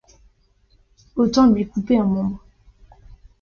Autant lui couper un membre.